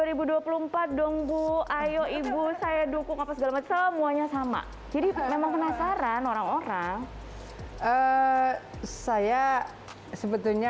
ibu ayo ibu saya dukung apa segala semuanya sama jadi memang penasaran orang orang saya sebetulnya